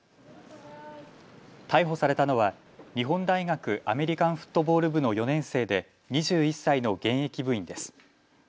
逮捕されたのは日本大学アメリカンフットボール部の４年生で２１歳の現役部員です。